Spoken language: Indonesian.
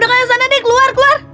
udah gak ada sana nih keluar keluar